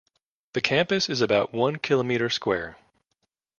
The campus is about one kilometre square.